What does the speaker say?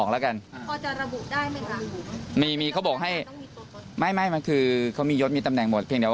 กรุ่นเสียหายอะไรแบบนี้